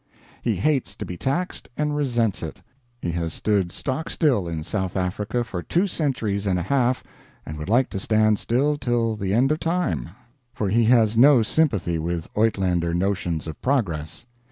He hates to be taxed and resents it. He has stood stock still in South Africa for two centuries and a half, and would like to stand still till the end of time, for he has no sympathy with Uitlander notions of progress.